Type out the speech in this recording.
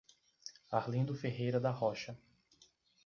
Arlindo Ferreira da Rocha